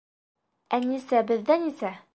Әнисә беҙҙә нисә?